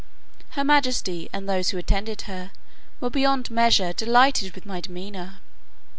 Her majesty, and those who attended her, were beyond measure delighted with my demeanour.